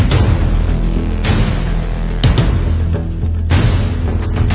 สวัสดีครับ